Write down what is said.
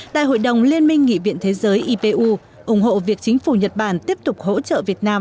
tại hội đồng liên minh nghị viện thế giới ipu ủng hộ việc chính phủ nhật bản tiếp tục hỗ trợ việt nam